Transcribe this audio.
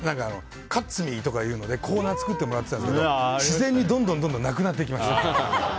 カッツミーとかいうのでコーナー作ってもらってたんですけど自然にどんどんなくなっていきました。